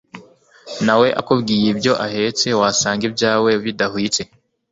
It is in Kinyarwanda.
nawe akubwiye ibyo ahetse wasanga ibyawe bidahwitse